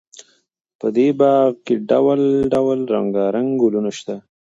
په دې باغ کې ډول ډول رنګارنګ ګلان شته.